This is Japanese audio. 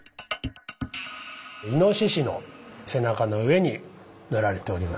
イノシシの背中の上に乗られております。